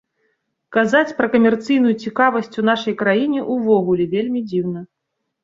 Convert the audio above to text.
Казаць пра камерцыйную цікавасць у нашай краіне увогуле вельмі дзіўна.